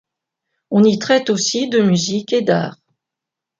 On y traite aussi de musique et d'art.